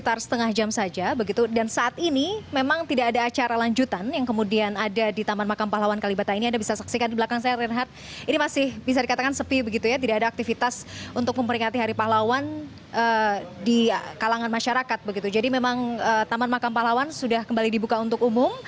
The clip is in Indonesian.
taman makam pahlawan sudah kembali dibuka untuk umum